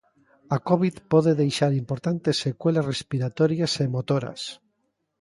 A covid pode deixar importantes secuelas respiratorias e motoras.